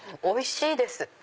おいしいです。